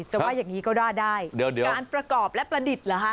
จะว่าอย่างนี้ก็ว่าได้เดี๋ยวการประกอบและประดิษฐ์เหรอฮะ